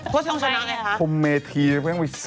โค้ชต้องชนะยังไงคะ